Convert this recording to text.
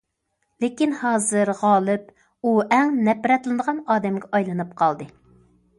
لېكىن ھازىر غالىب ئۇ ئەڭ نەپرەتلىنىدىغان ئادەمگە ئايلىنىپ قالدى.